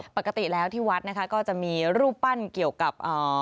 ปกติแล้วที่วัดนะคะก็จะมีรูปปั้นเกี่ยวกับอ่า